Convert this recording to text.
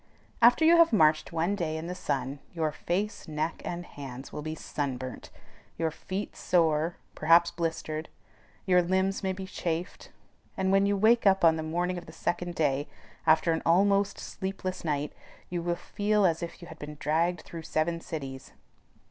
After you have marched one day in the sun, your face, neck, and hands will be sunburnt, your feet sore, perhaps blistered, your limbs may be chafed; and when you wake up on the morning of the second day, after an almost sleepless night, you will feel as if you had been "dragged through seven cities."